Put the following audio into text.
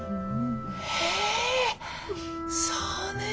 へえそうね。